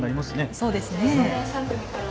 そうですね。